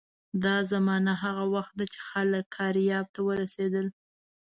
دا زمانه هغه وخت ده چې خلک کارایب ته ورسېدل.